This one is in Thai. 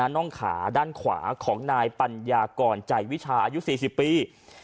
น่องขาด้านขวาของนายปัญญากรใจวิชาอายุ๔๐ปี